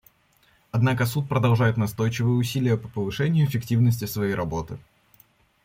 Однако Суд продолжает настойчивые усилия по повышению эффективности своей работы.